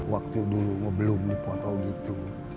waktu dulu belum dipotong gitu